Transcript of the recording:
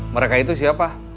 mereka itu siapa